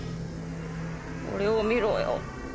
俺を見ろよ